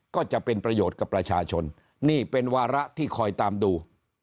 ก็จะเป็นประโยชน์กับประชาชนนี่เป็นวาระที่คอยตามดู